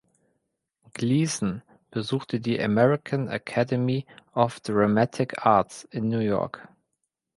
Gleason besuchte die American Academy of Dramatic Arts in New York.